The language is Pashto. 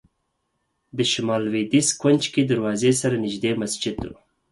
د شمال لوېدیځ کونج کې دروازې سره نږدې مسجد و.